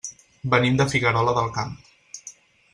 Venim de Figuerola del Camp.